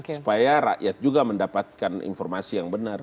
supaya rakyat juga mendapatkan informasi yang benar